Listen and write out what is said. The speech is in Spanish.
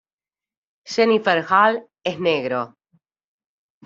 Jennifer Hale es Negro.